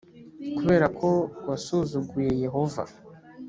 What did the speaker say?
kubera ko wasuzuguye yehova